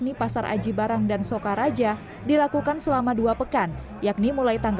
dan di pasar hewan aji barang mengatakan penutupan sementara di pasar hewan aji barang